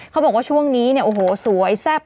เขาบอกว่าช่วงนี้เนี่ยโอ้โหสวยแซ่บ